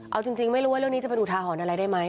เอาจริงไม่รู้ว่าเรื่องนี้จะเป็นอุทาหรณ์อะไรได้ไหม